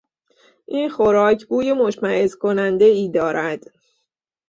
این خوراک بوی مشمئز کنندهای دارد.